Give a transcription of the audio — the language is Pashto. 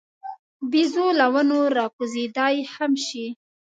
بیزو له ونو راکوزېدای هم شي.